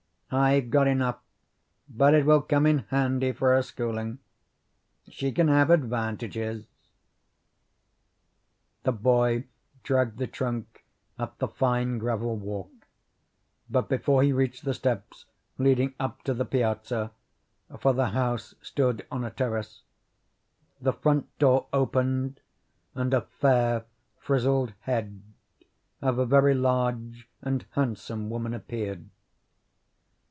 I've got enough, but it will come in handy for her schooling. She can have advantages." The boy dragged the trunk up the fine gravel walk, but before he reached the steps leading up to the piazza, for the house stood on a terrace, the front door opened and a fair, frizzled head of a very large and handsome woman appeared.